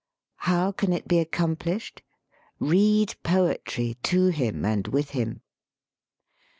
How can it be accomplished? Read poetry to him and with him.